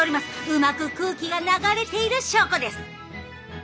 うまく空気が流れている証拠です。